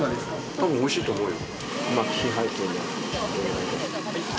多分おいしいと思うよ。